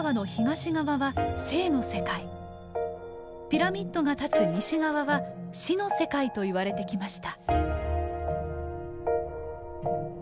ピラミッドが建つ西側は「死の世界」といわれてきました。